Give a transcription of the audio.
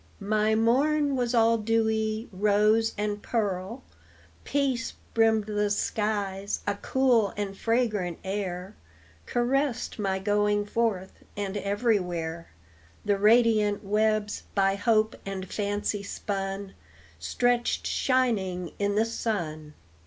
My morn was all dewy rose and pearl, Peace brimmed the skies, a cool and fragrant air Caressed my going forth, and everywhere The radiant webs, by hope and fancy spun, Stretched shining in the sun.